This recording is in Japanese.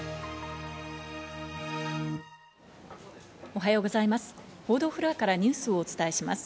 おはようございます。